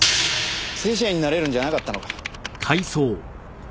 正社員になれるんじゃなかったのか？